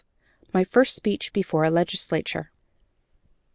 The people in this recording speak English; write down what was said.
MY FIRST SPEECH BEFORE A LEGISLATURE.